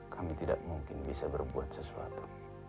kami tidak mungkin bisa berbuat sesuatu